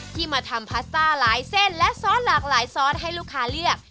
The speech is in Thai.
ที่มาทำพาสต้าหลายเส้นและซอสหลากหลายซอสให้ลูกค้าเลือก